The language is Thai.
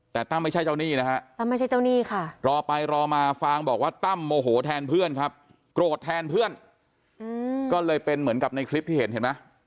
แต่ตั้มไม่ใช่เจ้าหนี้นะฮะตั้มไม่ใช่เจ้าหนี้ค่ะรอไปรอมาฟางบอกว่าตั้มโมโหแทนเพื่อนครับโกรธแทนเพื่อนก็เลยเป็นเหมือนกับในคลิปที่เห็นเห็นไหม